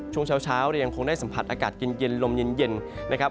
ช่วงเช้าเรายังคงได้สัมผัสอากาศเย็นลมเย็นนะครับ